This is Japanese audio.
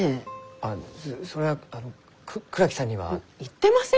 あそりゃあ倉木さんには。言ってませんよ！